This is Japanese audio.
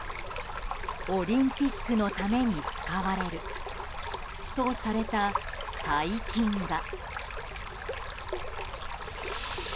オリンピックのために使われるとされた大金が。